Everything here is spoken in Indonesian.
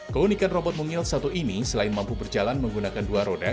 keunikan robot mungil satu ini selain mampu berjalan menggunakan dua roda